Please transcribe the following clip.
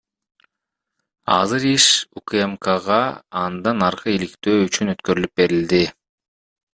Азыр иш УКМКга андан аркы иликтөө үчүн өткөрүлүп берилди.